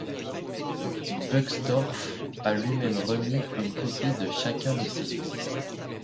Buxtorf a lui-même remis une copie de chacun de ses livres.